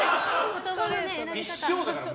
一生だからね。